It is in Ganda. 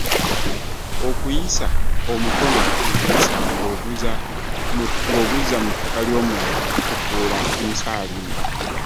Okuyisa omukono mu ddirisa ng’oguzza mu ttaka ly’omulala kikufuula omusaalimba.